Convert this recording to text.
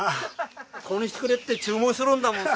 こうにしてくれって注文するんだもんさ。